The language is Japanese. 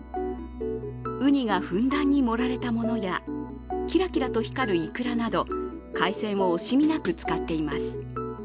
うにがふんだんに盛られたものやキラキラと光るいくらなど海鮮を惜しみなく使っています。